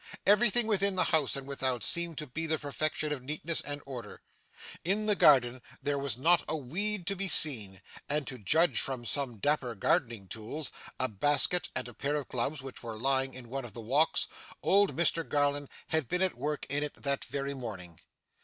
Everything within the house and without, seemed to be the perfection of neatness and order. In the garden there was not a weed to be seen, and to judge from some dapper gardening tools, a basket, and a pair of gloves which were lying in one of the walks, old Mr Garland had been at work in it that very morning.